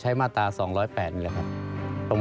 อันดับที่สุดท้าย